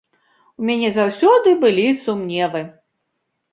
У мяне заўсёды былі сумневы.